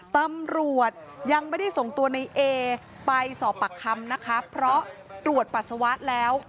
ตำรวจยังไม่ได้ส่งตัวในเอไปสอบปากคำนะคะเพราะตรวจปัสสาวะแล้ว